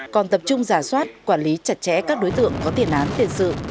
còn tập trung giả soát quản lý chặt chẽ các đối tượng có tiền án tiền sự